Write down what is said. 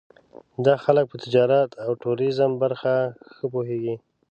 دا خلک په تجارت او ټوریزم ډېر ښه پوهېږي.